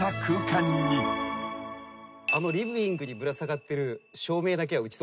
あのリビングにぶら下がってる照明だけは。